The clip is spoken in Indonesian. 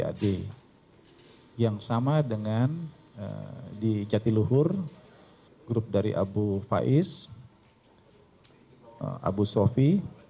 jadi yang sama dengan di jatiluhur grup dari abu faiz abu sofi